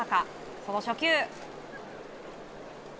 その初球。